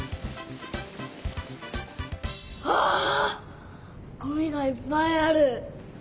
わあごみがいっぱいある！